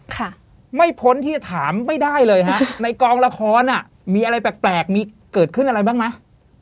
ค่ะไม่พ้นที่จะถามไม่ได้เลยฮะในกองละครอ่ะมีอะไรแปลกแปลกมีเกิดขึ้นอะไรบ้างไหม